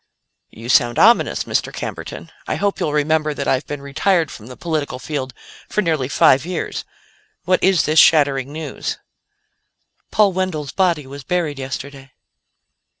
"You sound ominous, Mr. Camberton. I hope you'll remember that I've been retired from the political field for nearly five years. What is this shattering news?" "Paul Wendell's body was buried yesterday."